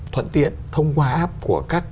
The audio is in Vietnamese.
thuận tiện thông qua áp của các